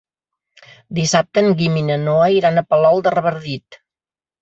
Dissabte en Guim i na Noa iran a Palol de Revardit.